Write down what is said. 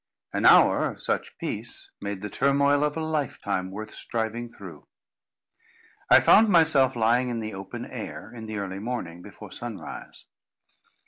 An hour of such peace made the turmoil of a lifetime worth striving through. I found myself lying in the open air, in the early morning, before sunrise.